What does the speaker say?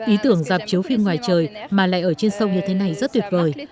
ý tưởng dạp chiếu phim ngoài trời mà lại ở trên sông như thế này rất tuyệt vời